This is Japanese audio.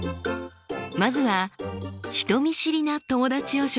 まずは人見知りな友達を紹介しましょう。